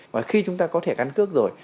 và khi chúng ta có thẻ căn cước rồi